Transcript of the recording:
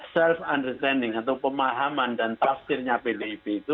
self understanding atau pemahaman dan tafsirnya pdip itu